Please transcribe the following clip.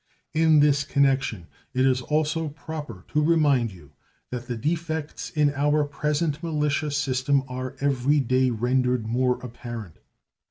In this connection it is also proper to remind you that the defects in our present militia system are every day rendered more apparent.